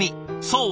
そう！